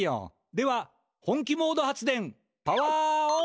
では本気モード発電パワーオン！